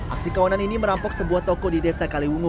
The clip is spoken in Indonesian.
aksi kawanan ini merampok sebuah toko di desa kaliwungu